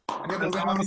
ありがとうございます。